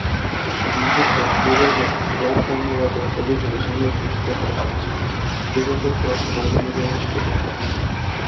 নিষিদ্ধ রিভালদোর ক্লাববর্ণবাদের অভিযোগে সাময়িক নিষিদ্ধ করা হয়েছে রিভালদোর ক্লাব মগি মিরিমের স্টেডিয়ামকে।